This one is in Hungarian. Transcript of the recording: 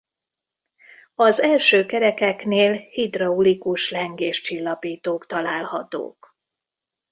Az első kerekeknél hidraulikus lengéscsillapítók találhatók.